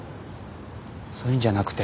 そういうんじゃなくて。